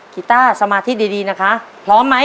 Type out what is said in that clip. กีต้าสมาธิดีนะคะพร้อมไหม